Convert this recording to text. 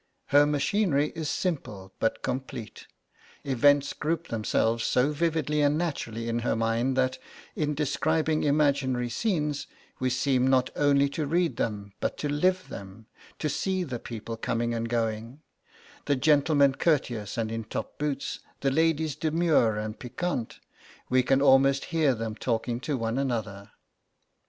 Her machinery is simple but complete; events group themselves so vividly and naturally in her mind that, in describing imaginary scenes, we seem not only to read them, but to live them, to see the people coming and going: the gentlemen courteous and in top boots, the ladies demure and piquant; we can almost hear them talking to one another.